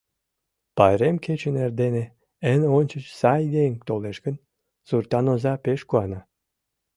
Пайрем кечын эрдене эн ончыч сай еҥ толеш гын, суртан оза пеш куана.